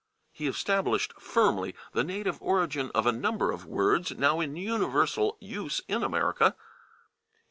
He established firmly the native origin of a number of words now in universal use in America /e.